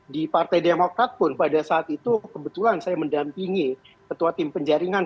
di partai demokrat pun pada saat itu kebetulan saya mendampingi ketua tim penjaringan